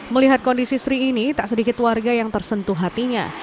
melihat kondisi sri ini tak sedikit warga yang tersentuh hatinya